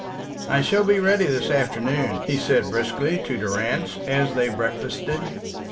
"I shall be ready this afternoon," he said briskly to Durrance as they breakfasted.